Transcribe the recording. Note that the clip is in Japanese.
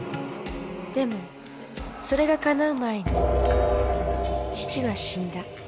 でもそれがかなう前に父は死んだ